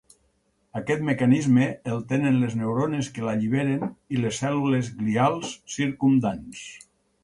Aquest mecanisme el tenen les neurones que l'alliberen i les cèl·lules glials circumdants.